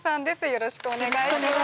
よろしくお願いします